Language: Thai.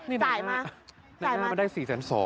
นี่น่ามาได้๔๒เนี่ย